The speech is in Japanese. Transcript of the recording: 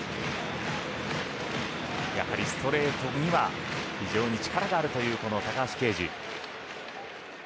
やはりストレートには非常に力があるという高橋奎二。